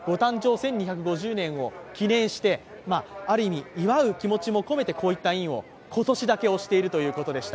１２５０年を記念してある意味祝う気持ちも込めて今年だけ押しているということでした。